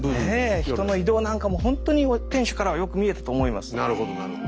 ええ人の移動なんかもほんとに天守からはよく見えたと思います。